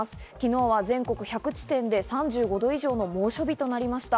昨日は全国１００地点で３５度以上の猛暑日となりました。